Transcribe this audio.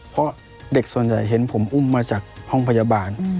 เพราะเด็กส่วนใหญ่เห็นผมอุ้มมาจากห้องพยาบาล